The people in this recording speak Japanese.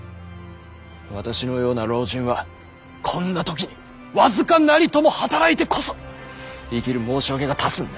私のような老人はこんな時に僅かなりとも働いてこそ生きる申し訳が立つんだ。